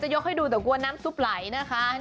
นี่คือบะหมี่แบบไทยสามสัญชาติก็คือมีไทยมีจีนมีฝรั่งนั่นเอง